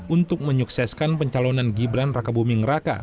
untuk menyukseskan pencalonan gibran rakabuming raka